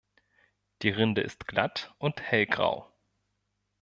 Die Rinde ist glatt und hellgrau.